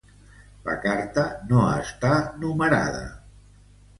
La carta no està numerada.